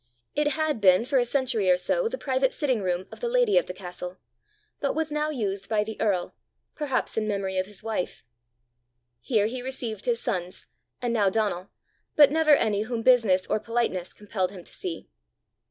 It had been for a century or so the private sitting room of the lady of the castle, but was now used by the earl, perhaps in memory of his wife. Here he received his sons, and now Donal, but never any whom business or politeness compelled him to see.